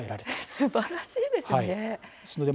すばらしいですね！